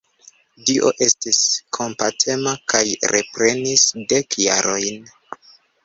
Dio estis kompatema kaj reprenis dek jarojn.